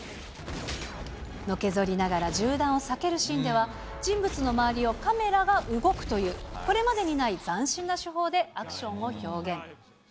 のけぞりながら銃弾を避けるシーンでは、人物の周りをカメラが動くという、これまでにない斬新な手法でアクションを表現。